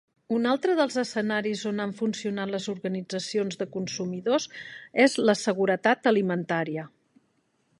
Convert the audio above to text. Un altre dels escenaris on han funcionat les organitzacions de consumidors és la seguretat alimentària.